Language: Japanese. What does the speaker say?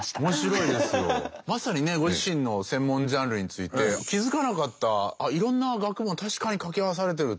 まさにねご自身の専門ジャンルについて気付かなかったいろんな学問確かにかけ合わされてるっていうね。